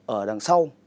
ở đằng sau